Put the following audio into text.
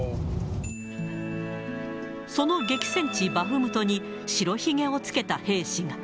その激戦地、バフムトに、白ひげをつけた兵士が。